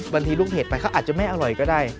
บางทีลูกเห็ดไปเขาอาจจะไม่อร่อยก็ได้